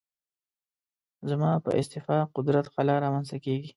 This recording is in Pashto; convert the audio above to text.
زما په استعفا قدرت خلا رامنځته کېږي.